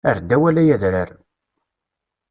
Err-d awal ay adrar!